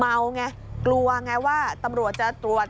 เมาไงกลัวไงว่าตำรวจจะตรวจ